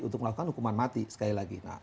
untuk melakukan hukuman mati sekali lagi